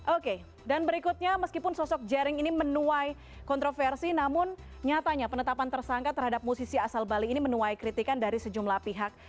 oke dan berikutnya meskipun sosok jering ini menuai kontroversi namun nyatanya penetapan tersangka terhadap musisi asal bali ini menuai kritikan dari sejumlah pihak